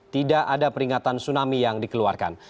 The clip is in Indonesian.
tidak ada peringatan tsunami yang dikeluarkan